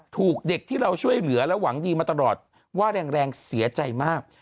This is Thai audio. ถูกเด็กที่เราช่วยเหลือและหวังดีมาตลอดว่าแรงเสียใจมาก